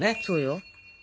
そうよ。